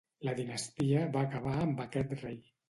La dinastia va acabar amb aquest rei.